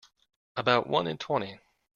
About one in twenty.